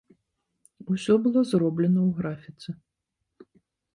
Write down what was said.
Усё было зроблена ў графіцы.